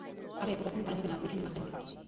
আরে, ও কখনোই ভালো হবে না ওইখানে মারতে হবে।